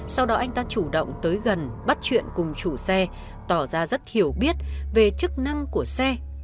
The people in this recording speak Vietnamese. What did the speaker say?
sau đó anh ta chủ động tới gần bắt chuyện cùng chủ xe tỏ ra rất hiểu biết về chức năng của xe